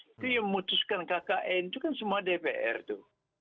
itu yang memutuskan kkn itu kan semua dpr tuh